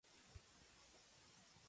Más tarde.